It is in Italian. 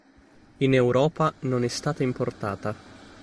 In Europa non è stata importata.